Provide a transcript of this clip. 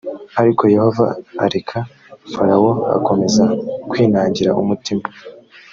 ariko yehova areka farawo akomeza kwinangira umutima